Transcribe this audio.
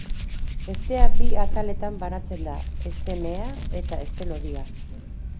Hestea bi ataletan banatzen da: heste mehea eta heste lodia.